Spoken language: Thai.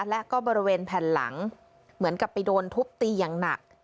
และก็บริเวณแผ่นหลังเหมือนกับไปโดนทุบตีอย่างหนัก